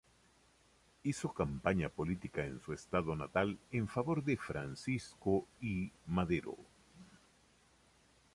Hizo campaña política en su estado natal en favor de Francisco I. Madero.